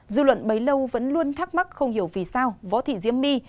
dư luận bấy lâu vẫn luôn thắc mắc không hiểu vì sao võ thị diễm my